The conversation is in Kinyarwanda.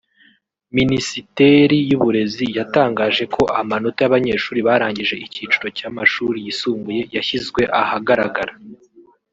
Minisiteri y’ uburezi yatangaje ko amanota y’abanyeshuri barangije icyiciro cy’amashuri yisumbuye yashyizwe ahagaragara